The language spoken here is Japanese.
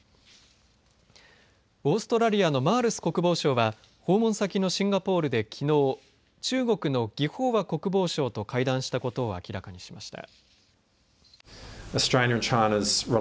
オーストラリアのマールス国防相は訪問先のシンガポールで、きのう中国の魏鳳和国防相と会談したことを明らかにしました。